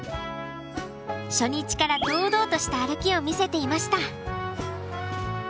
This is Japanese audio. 初日から堂々とした歩きを見せていました。